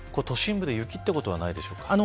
都心部で雪ということはないでしょうか。